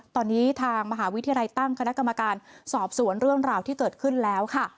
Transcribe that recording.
ตอนนี้ทางมหาวิทยาลัยตั้งคณะกรรมการสอบสวนเรื่องราวที่เกิดขึ้นแล้วค่ะ